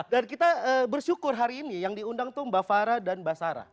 dan kita bersyukur hari ini yang diundang tuh mbak farah dan mbak sarah